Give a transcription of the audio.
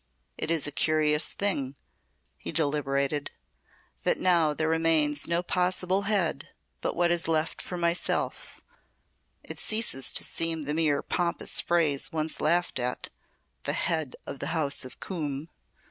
"It is a curious thing," he deliberated, "that now there remains no possible head but what is left of myself it ceases to seem the mere pompous phrase one laughed at the Head of the House of Coombe.